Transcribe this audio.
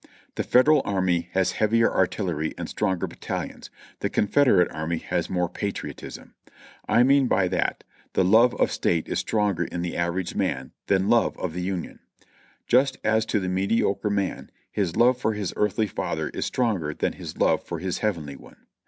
If the Federal army has heavier artil lery and stronger battalions, the Confederate army has more pa triotism : I mean by that, the love of State is stronger in the average man, than love of the Union ; just as to the mediocre man, his love for his earthly father is stronger than his love for his heavenly One.